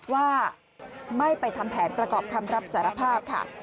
ว่าไม่ไปทำแผนประกอบคำรับสารภาพค่ะ